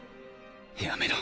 やめろ。